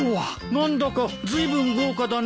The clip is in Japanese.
何だかずいぶん豪華だね。